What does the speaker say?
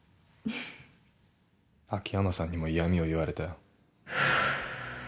秋山さんにも嫌みを言われたよ。